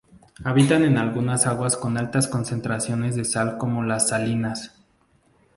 Habitan en aguas con altas concentraciones de sal como las salinas.